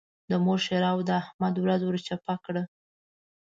د مور ښېراوو د احمد ورځ ور چپه کړه.